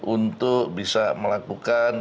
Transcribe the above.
untuk bisa melakukan